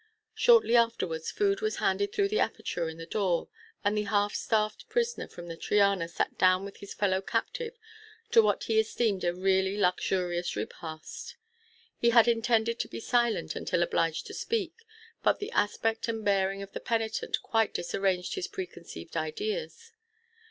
Shortly afterwards, food was handed through the aperture in the door; and the half starved prisoner from the Triana sat down with his fellow captive to what he esteemed a really luxurious repast. He had intended to be silent until obliged to speak, but the aspect and bearing of the penitent quite disarranged his preconceived ideas.